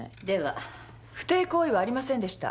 不貞行為はありませんでした。